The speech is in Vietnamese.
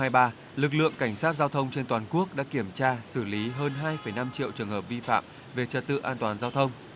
lực lượng cảnh sát giao thông trên toàn quốc đã kiểm tra xử lý hơn hai năm triệu trường hợp vi phạm về trật tự an toàn giao thông